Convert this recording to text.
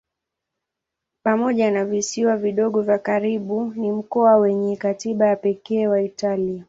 Pamoja na visiwa vidogo vya karibu ni mkoa wenye katiba ya pekee wa Italia.